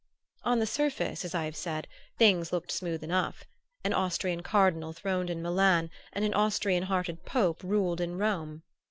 On the surface, as I have said, things looked smooth enough. An Austrian cardinal throned in Milan and an Austrian hearted Pope ruled in Rome.